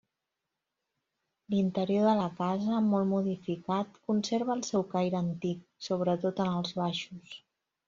L'interior de la casa, molt modificat, conserva el seu caire antic, sobretot en els baixos.